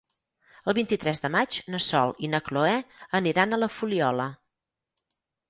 El vint-i-tres de maig na Sol i na Cloè aniran a la Fuliola.